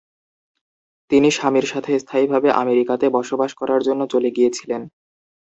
তিনি স্বামীর সাথে স্থায়ীভাবে আমেরিকাতে বসবাস করার জন্য চলে গিয়েছিলেন।